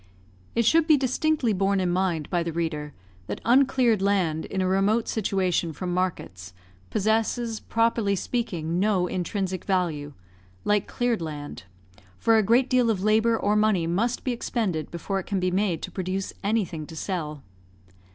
It should be distinctly borne in mind by the reader, that uncleared land in a remote situation from markets possesses, properly speaking, no intrinsic value, like cleared land, for a great deal of labour or money must be expended before it can be made to produce anything to sell.